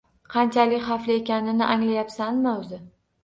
Qanchalik xavfli ekanini anglayapsanmi o`zi